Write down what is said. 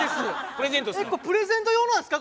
プレゼント用のなんですか？